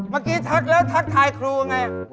เมื่อกี้ทักแล้วทักทายครูไง